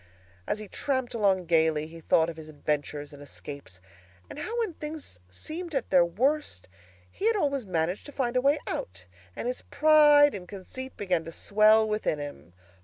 As he tramped along gaily, he thought of his adventures and escapes, and how when things seemed at their worst he had always managed to find a way out; and his pride and conceit began to swell within him.